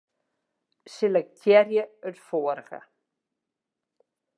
Selektearje it foarige.